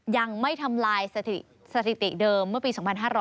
ยังไม่ทำลายสถิติเดิมเมื่อปี๒๕๕๙